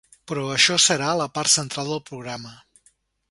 Però això serà a la part central del programa.